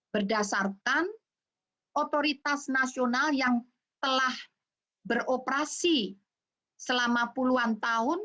berdasarkan otoritas nasional yang telah beroperasi selama puluhan tahun